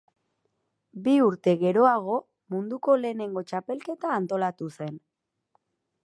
Bi urte geroago munduko lehenengo txapelketa antolatu zen.